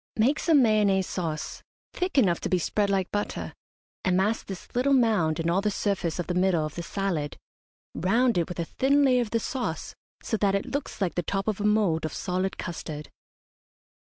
Make some Mayonnaise sauce, thick enough to be spread like butter, and mask this little mound and all the surface of the middle of the salad round it with a thin layer of the sauce, so that it looks like the top of a mould of solid custard.